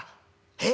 「えっ？